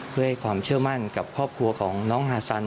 เพื่อให้ความเชื่อมั่นกับครอบครัวของน้องฮาซัน